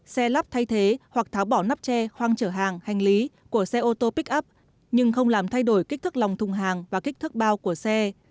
xe lắp thay thế hoặc tháo bỏ nắp tre khoang trở hàng hành lý của xe ô tô pick up nhưng không làm thay đổi kích thước lòng thùng hàng và kích thước bao của xe